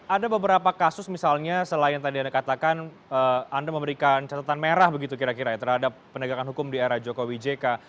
ada beberapa kasus misalnya selain tadi anda katakan anda memberikan catatan merah begitu kira kira ya terhadap penegakan hukum di era jokowi jk